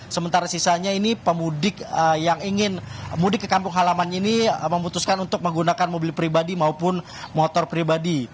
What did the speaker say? sementara sisanya ini pemudik yang ingin mudik ke kampung halaman ini memutuskan untuk menggunakan mobil pribadi maupun motor pribadi